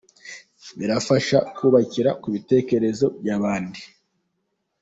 birafasha kubakira kubitekerezo byabandi.